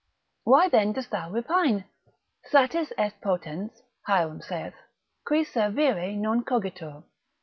Why then dost thou repine? Satis est potens, Hierom saith, qui servire non cogitur.